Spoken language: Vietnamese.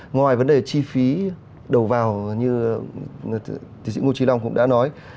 ngoài vấn đề chi phí đầu vào như tiến sĩ ngô trí long cũng đã nói